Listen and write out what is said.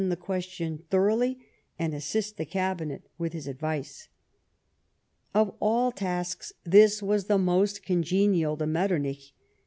35 the question thoroughly, and assist the cabinet with his advice. Of all tasks this was the most congenial to Metternich.